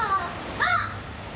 あっ！